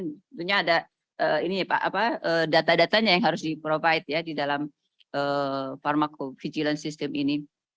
sebenarnya ada data datanya yang harus di provide ya di dalam pharmacovigilance sistem ini